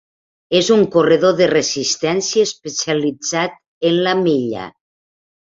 És un corredor de resistència especialitzat en la milla.